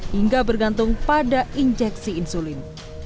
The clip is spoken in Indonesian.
hingga bergantung pada injeksi insulin